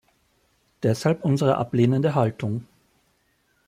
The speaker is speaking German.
Deshalb unsere ablehnende Haltung.